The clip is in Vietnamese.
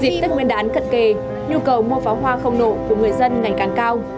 dịp tết nguyên đán cận kề nhu cầu mua pháo hoa không nổ của người dân ngày càng cao